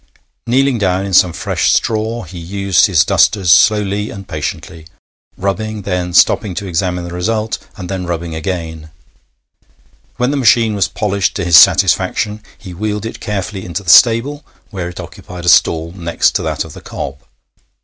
Kneeling down in some fresh straw, he used his dusters slowly and patiently rubbing, then stopping to examine the result, and then rubbing again. When the machine was polished to his satisfaction, he wheeled it carefully into the stable, where it occupied a stall next to that of the cob.